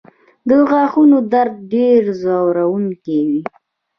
د غاښونو درد ډېر ځورونکی وي.